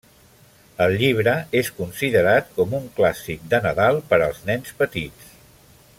El llibre és considerat com un clàssic de Nadal per als nens petits.